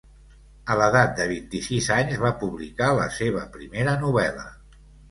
A l'edat de vint-i-sis anys va publicar la seva primera novel·la.